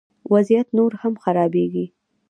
وضعیت نور هم خرابیږي